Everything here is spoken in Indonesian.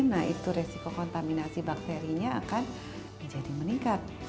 nah itu resiko kontaminasi bakterinya akan menjadi meningkat